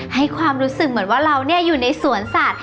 ให้ความรู้สึกเหมือนว่าเราอยู่ในสวนสัตว